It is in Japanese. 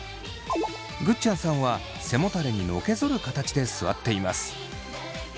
ぐっちゃんさんは背もたれにのけぞる形で座っています。